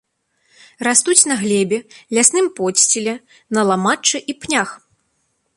Растуць на глебе, лясным подсціле, на ламаччы і пнях.